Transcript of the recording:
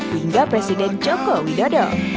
hingga presiden joko widodo